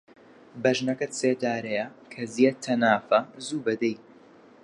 بەژنەکەت سێدارەیە، کەزیەت تەنافە زووبە دەی